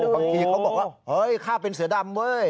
บางทีเขาบอกว่าเฮ้ยข้าเป็นเสือดำเว้ย